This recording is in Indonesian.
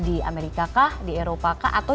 di amerika kah di eropa kah atau